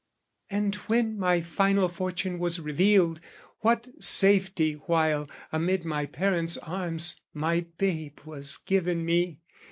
And, when my final fortune was revealed, What safety while, amid my parents' arms, My babe was given me!